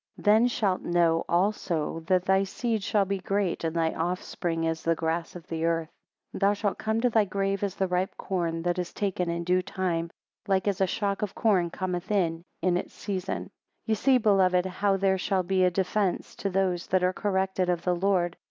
Then shalt know also that thy seed shall be great and thy offspring as the grass of the earth. 13 Thou shalt come to thy grave as the ripe corn, that is taken in due time: like as a shock of corn cometh in, in its season. 14 Ye see, beloved, how there shall be a defence to those that are corrected of the Lord.